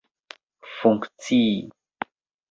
funkcii